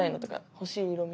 欲しい色み。